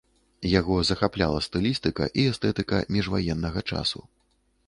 Яго захапляла стылістыка і эстэтыка міжваеннага часу.